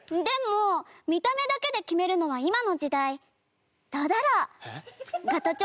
でも見た目だけで決めるのは今の時代どうだろう？えっ？